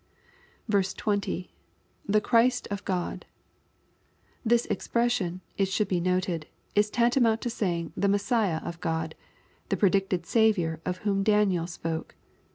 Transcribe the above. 20. — [The Christ of Chd^l This expression, it should be noted, is tantamount to saying the Messiah of God, the predicted Saviour of whom Daniel spoke.